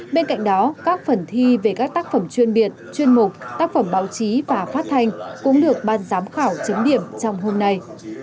bên cạnh đó các phần thi về các tác phẩm chuyên biệt chuyên mục tác phẩm báo chí và phát thanh cũng được ban giám khảo chính điểm trong hôm nay